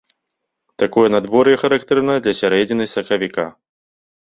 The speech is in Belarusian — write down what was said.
Такое надвор'е характэрна для сярэдзіны сакавіка.